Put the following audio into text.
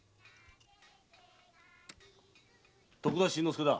・徳田新之助だ。